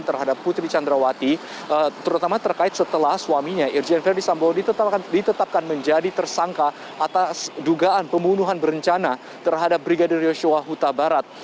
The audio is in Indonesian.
terhadap putri candrawati terutama terkait setelah suaminya irjen verdi sambo ditetapkan menjadi tersangka atas dugaan pembunuhan berencana terhadap brigadir yosua huta barat